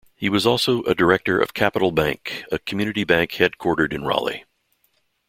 He was also a director of Capital Bank, a community bank headquartered in Raleigh.